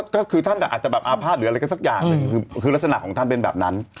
ก็คือท่านอาจจะแบบอาภาษณหรืออะไรก็สักอย่างหนึ่งคือลักษณะของท่านเป็นแบบนั้น